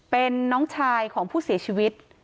เป็นน้องชายของผู้เสียชีวิต